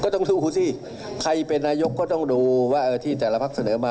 ถ้าอยู่ก็จะต้องให้ไหวผม